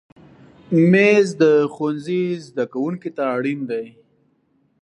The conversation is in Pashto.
مېز د ښوونځي زده کوونکي ته اړین دی.